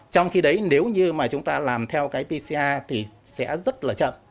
trong khi đấy nếu như mà chúng ta làm theo cái pca thì sẽ rất là chậm